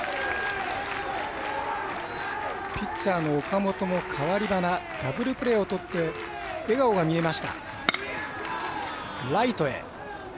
ピッチャーの岡本も代わりダブルプレーをとって笑顔が見えました。